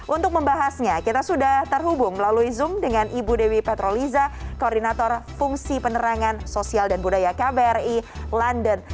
untuk membahasnya kita sudah terhubung melalui zoom dengan ibu dewi petroliza koordinator fungsi penerangan sosial dan budaya kbri london